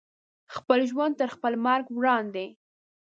خپل ژوند تر خپل مرګ وړاندې